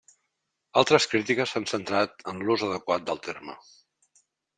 Altres crítiques s'han centrat en l'ús adequat del terme.